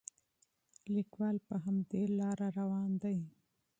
لیکوال په همدې لاره روان دی.